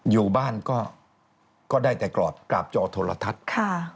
อยู่บ้านก็ได้แต่กรอบกราบจอโทรทัศน์